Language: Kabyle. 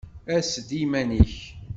Ass-d iman-ik!